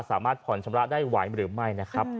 สามารถผ่อนชำระได้ไหวหรือไม่นะครับ